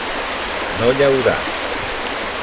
No llaurar.